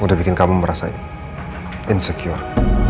udah bikin kamu merasa insecure